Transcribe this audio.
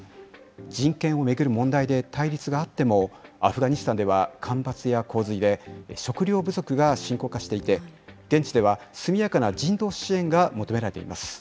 人権を巡る問題で対立があっても、アフガニスタンでは干ばつや洪水で食料不足が深刻化していて、現地では速やかな人道支援が求められています。